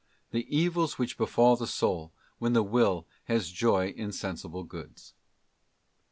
The Evils which befall the soul when the will has joy in Sensible Goods.